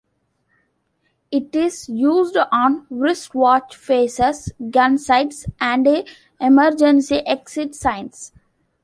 It is used on wristwatch faces, gun sights, and emergency exit signs.